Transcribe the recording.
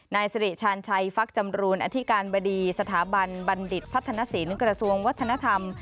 นายสิริชาญชัยฟักจำรูนอธิการบดีสถาบันบัณฑิตพัฒนศิลป์กระทรวงวัฒนธรรม